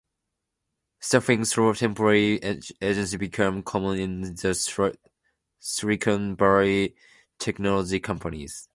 Staffing through temporary agencies became common in the Silicon Valley technology companies.